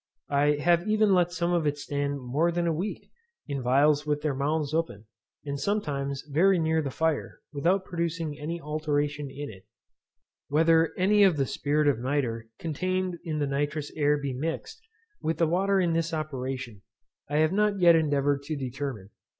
I have even let some of it stand more than a week, in phials with their mouths open, and sometimes very near the fire, without producing any alteration in it. Whether any of the spirit of nitre contained in the nitrous air be mixed with the water in this operation, I have not yet endeavoured to determine.